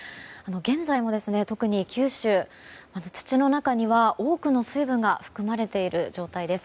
現在も、特に九州土の中には多くの水分が含まれている状態です。